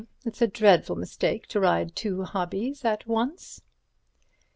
it's a dreadful mistake to ride two hobbies at once."